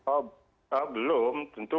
oh belum tentu